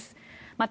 また、